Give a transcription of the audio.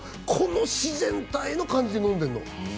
この自然体の感じで飲んでるの。